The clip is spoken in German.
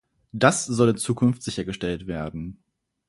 Das soll in Zukunft sichergestellt werden.